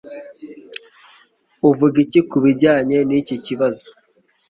Uvuga iki kubijyanye niki kibazo